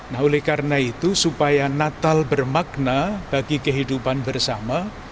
nah oleh karena itu supaya natal bermakna bagi kehidupan bersama